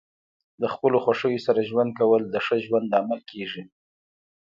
د خپلو خوښیو سره ژوند کول د ښه ژوند لامل کیږي.